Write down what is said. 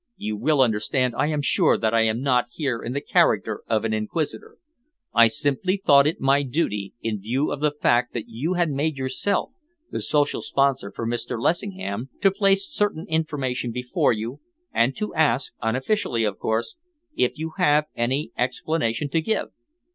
"You will understand, I am sure, that I am not here in the character of an inquisitor. I simply thought it my duty, in view of the fact that you had made yourself the social sponsor for Mr. Lessingham, to place certain information before you, and to ask, unofficially, of course, if you have any explanation to give?